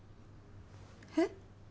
えっ？